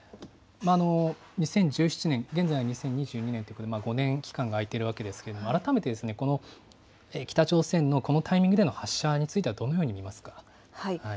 ２０１７年、現在は２０２２年ということで、５年、期間が空いているわけですけれども、改めてこの北朝鮮のこのタイミングでの発射についてはどのように見ますか？